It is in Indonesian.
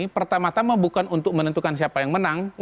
pertama tama bukan untuk menentukan siapa yang menang